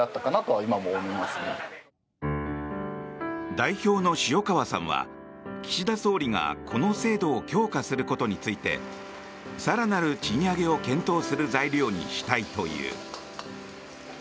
代表の塩川さんは岸田総理が、この制度を強化することについて更なる賃上げを検討する材料にしたいという。